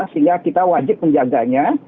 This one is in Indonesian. sehingga kita wajib menjaganya